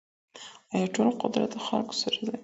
آيا ټول قدرت د خلګو سره دی؟